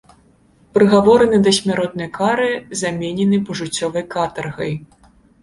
Прыгавораны да смяротнай кары, замененай пажыццёвай катаргай.